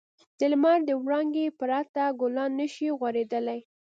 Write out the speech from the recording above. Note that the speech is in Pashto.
د لمر د وړانګو پرته ګلان نه شي غوړېدلی.